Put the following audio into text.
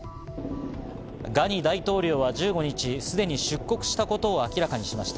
ガニ大統領は１５日、すでに出国したことを明らかにしました。